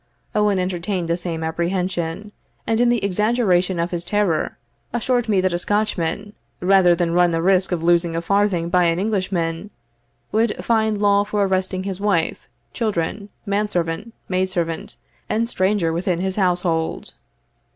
Owen entertained the same apprehension, and, in the exaggeration of his terror, assured me that a Scotchman, rather than run the risk of losing a farthing by an Englishman, would find law for arresting his wife, children, man servant, maidservant, and stranger within his household.